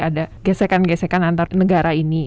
ada gesekan gesekan antar negara ini